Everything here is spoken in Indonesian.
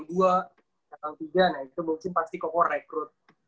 nah itu mungkin pasti ko ko rekrut